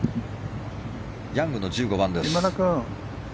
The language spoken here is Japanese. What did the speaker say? ヤングの１５番です。